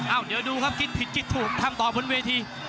เดี๋ยวดูครับคิดผิดคิดถูกทำต่อบนเวที